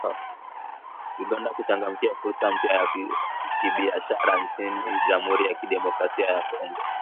Uganda kuchangamkia fursa mpya za kibiashara nchini Jamhuri ya Kidemokrasia ya Kongo.